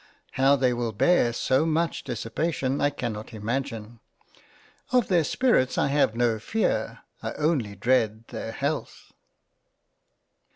How they will bear so much 103 £ JANE AUSTEN £ dissipation I cannot imagine ; of their spirits I have no fear, I only dread their health.